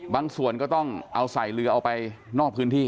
ส่วนก็ต้องเอาใส่เรือเอาไปนอกพื้นที่